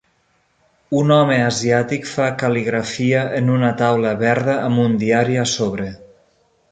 Un home asiàtic fa cal·ligrafia en una taula verda amb un diari a sobre.